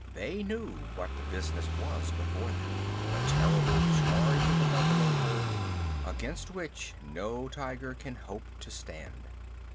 They knew what the business was before them the terrible charge of the buffalo herd against which no tiger can hope to stand.